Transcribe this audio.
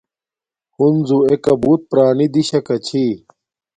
ہنزو ایکا بوت پُرانی دیشاکا چھی